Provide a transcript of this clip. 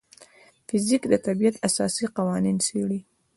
فزیک د طبیعت اساسي قوانین څېړي.